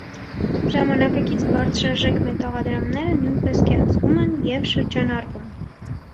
Ժամանակակից բարձրարժեք մետաղադրամները նույնպես կեղծվում են և շրջանառվում։